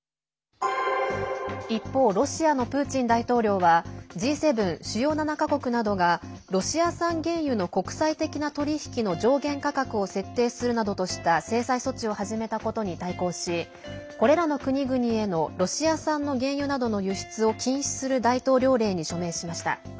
一方、ロシアのプーチン大統領はＧ７＝主要７か国などがロシア産原油の国際的な取り引きの上限価格を設定するなどとした制裁措置を始めたことに対抗しこれらの国々へのロシア産の原油などの輸出を禁止する大統領令に署名しました。